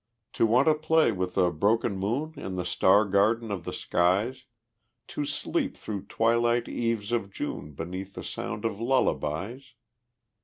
To want to play with the broken moon In the star garden of the skies? To sleep through twilight eves of June Beneath the sound of lullabies?